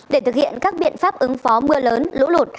để thực hiện các biện pháp ứng phó mưa lớn lũ lụt